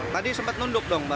tadi sempat nunduk dong